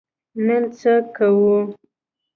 نن څه کوو؟